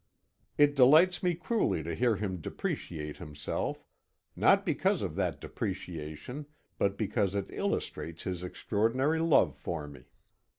It delights me cruelly to hear him depreciate himself not because of that depreciation, but because it illustrates his extraordinary love for me.